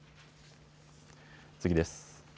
次です。